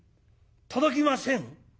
届きません？